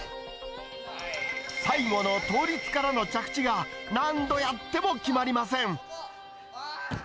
最後の倒立からの着地が何度やっても決まりません。